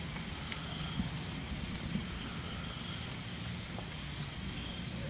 นี่แหละคือหัว